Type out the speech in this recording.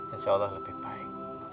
insya allah lebih baik